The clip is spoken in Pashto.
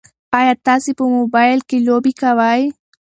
ایا تاسي په موبایل کې لوبې کوئ؟